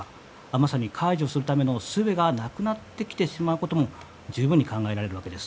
まさに解除するためのすべがなくなってきてしまうことも十分に考えられるわけです。